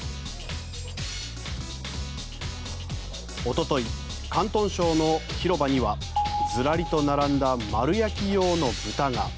おととい、広東省の広場にはずらりと並んだ丸焼き用の豚が。